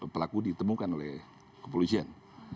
pelaku ditemukan oleh kepolisian